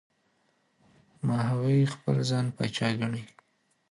ماهوی خپل ځان پاچا ګڼي.